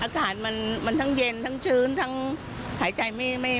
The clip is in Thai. อากาศมันทั้งเย็นทั้งชื้นทั้งหายใจไม่